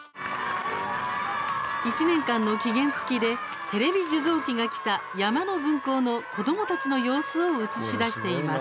１年間の期限付きでテレビ受像機が来た山の分校の、子どもたちの様子を映しだしています。